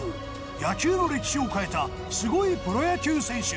野球の歴史を変えたすごいプロ野球選手